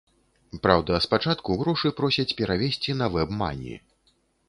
Праўда, спачатку грошы просяць перавесці на вэбмані.